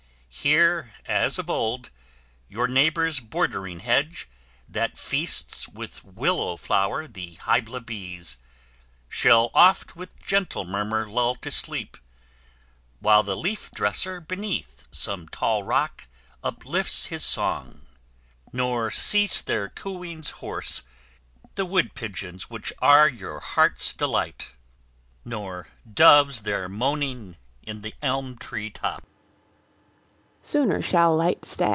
Here, as of old, your neighbour's bordering hedge, That feasts with willow flower the Hybla bees, Shall oft with gentle murmur lull to sleep, While the leaf dresser beneath some tall rock Uplifts his song, nor cease their cooings hoarse The wood pigeons that are your heart's delight, Nor doves their moaning in the elm tree top.